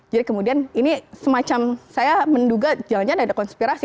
jadi kemudian ini semacam saya menduga jangan jangan ada konspirasi